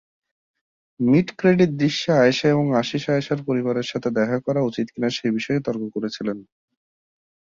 Mid-credit দৃশ্যে আয়েশা এবং আশীষ আয়েশার পরিবারের সাথে দেখা করা উচিত কিনা সে বিষয়ে তর্ক করেছিলেন।